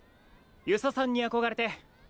遊佐さんに憧れて。